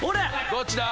どっちだ？